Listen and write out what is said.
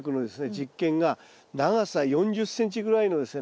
実験が長さ４０ｃｍぐらいのですね